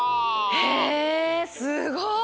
へえすごい！